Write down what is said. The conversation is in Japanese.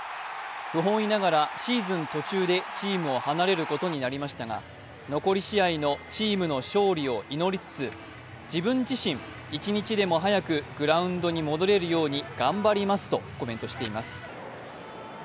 不本意ながらシーズン途中でチームを離れることになりましたが残り試合のチームの勝利を祈りつつ、自分自身一日でも早くグラウンドに戻れるように頑張りますとコメントしています。